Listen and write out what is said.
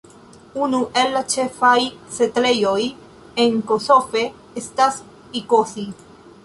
Unu el la ĉefaj setlejoj en Kosofe estas Ikosi.